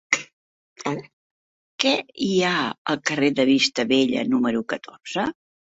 Què hi ha al carrer de Vista Bella número catorze?